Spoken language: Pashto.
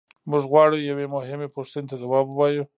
موږ غواړو یوې مهمې پوښتنې ته ځواب ووایو.